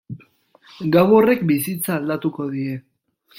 Gau horrek bizitza aldatuko die.